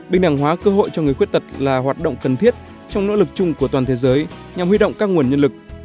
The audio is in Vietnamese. bình đẳng hóa cơ hội cho người khuyết tật là hoạt động cần thiết trong nỗ lực chung của toàn thế giới nhằm huy động các nguồn nhân lực